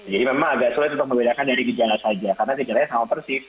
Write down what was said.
memang agak sulit untuk membedakan dari gejala saja karena gejalanya sama persis